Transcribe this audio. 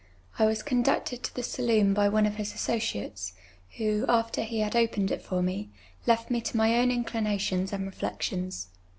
I was conducted to the saloon by one of his associates, who, after he had opened it for me, left me to my o^^^l inclinations and reflections.